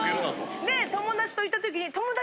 で友達と行った時に。